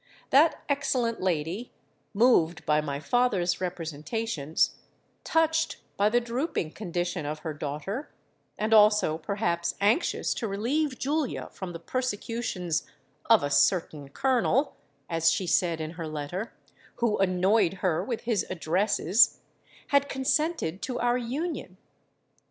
That excellent lady, moved by my father's representations—touched by the drooping condition of her daughter—and also, perhaps, anxious to relieve Julia from the persecutions 'of a certain Colonel,' as she said in her letter, 'who annoyed her with his addresses,' had consented to our union.